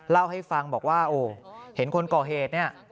เล่าให้ฟังบอกว่าโอ้เห็นคนก่อเหตุเนี่ย